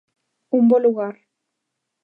Un bo lugar.